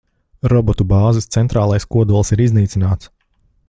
Robotu bāzes centrālais kodols ir iznīcināts.